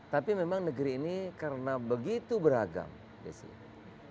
tapi memang negeri ini karena begitu beragam di sini